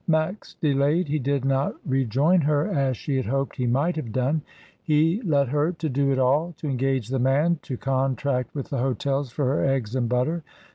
Max delayed; he did not rejol: her as she had hoped he might have done; he ler her to do it all, to engage the man, to contract wit: the hotels for her eggs and butter.